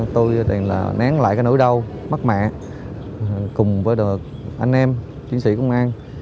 tôi tìm là nén lại cái nỗi đau mắc mẹ cùng với anh em chuyển sĩ công an